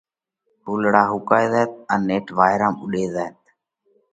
ڦُولڙا ۿُوڪائي زائت ان نيٺ وائيرا ۾ اُوڏي زائت۔